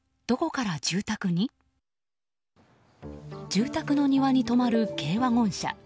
住宅の庭に止まる軽ワゴン車。